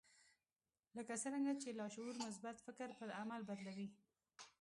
لکه څرنګه چې لاشعور مثبت فکر پر عمل بدلوي.